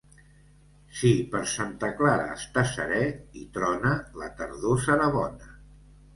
Si per Santa Clara està seré i trona, la tardor serà bona.